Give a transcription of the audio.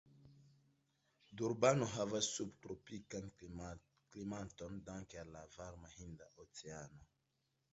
Durbano havas sub-tropikan klimaton danke al la varma Hinda Oceano.